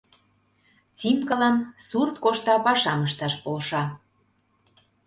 Тимкалан сурт кошта пашам ышташ полша.